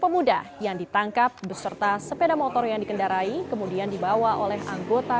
pemuda yang ditangkap beserta sepeda motor yang dikendarai kemudian dibawa oleh anggota